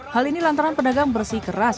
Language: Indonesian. hal ini lantaran pedagang bersih keras